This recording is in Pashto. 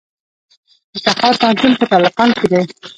د تخار پوهنتون په تالقان کې دی